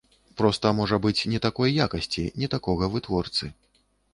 Проста, можа быць, не такой якасці, не такога вытворцы.